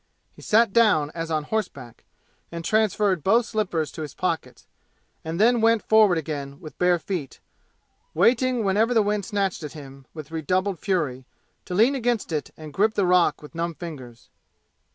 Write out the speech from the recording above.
He sat down as on horseback, and transferred both slippers to his pockets, and then went forward again with bare feet, waiting whenever the wind snatched at him with redoubled fury, to lean against it and grip the rock with numb fingers.